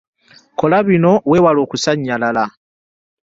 Kola bini wewale okusanyalala.